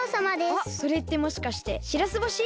あっそれってもしかしてしらす干し？